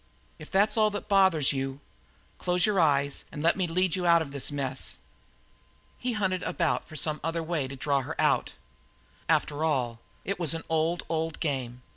If that's all that bothers you, close your eyes and let me lead you out of this mess." He hunted about for some other way to draw her out. After all, it was an old, old game.